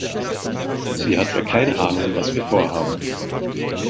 Sie hat ja keine Ahnung, was wir vorhaben.